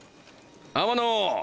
天野！